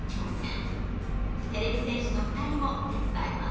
てれび戦士の２人も手伝います。